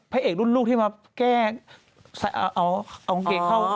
เอกรุ่นลูกที่มาแก้เอากางเกงเข้า